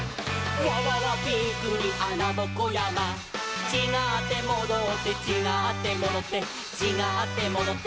「わわわびっくりあなぼこやま」「ちがってもどって」「ちがってもどってちがってもどって」